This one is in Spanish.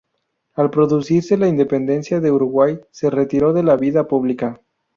Al producirse la Independencia de Uruguay se retiró de la vida pública.